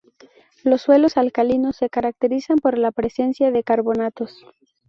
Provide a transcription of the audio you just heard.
Los suelos alcalinos se caracterizan por la presencia de carbonatos.